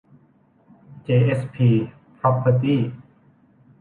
เจ เอส พี พร็อพเพอร์ตี้